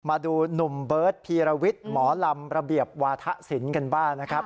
มาดูหนุ่มเบิร์ตพีรวิทย์หมอลำระเบียบวาธศิลป์กันบ้างนะครับ